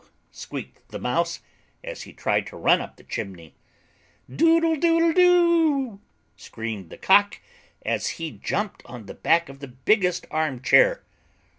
squeaked the Mouse as he tried to run up the chimney. "Doodle doodle do!" screamed the Cock, as he jumped on the back of the biggest arm chair[.